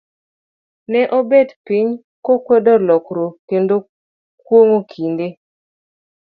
ne obet piny, kokwedo lokruok, kendo kuong'o kinde.